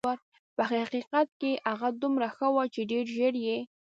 په حقیقت کې هغه دومره ښه وه چې ډېر ژر یې.